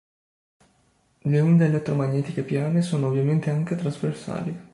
Le onde elettromagnetiche piane sono ovviamente anche trasversali.